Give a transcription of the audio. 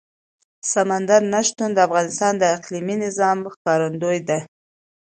سمندر نه شتون د افغانستان د اقلیمي نظام ښکارندوی ده.